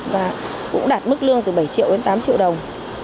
và cũng đạt mức lương từ bảy triệu đến tám triệu đồng